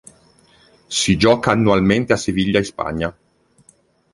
Si gioca annualmente a Siviglia in Spagna.